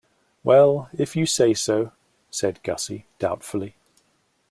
"Well, if you say so," said Gussie doubtfully.